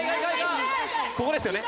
ここですよね。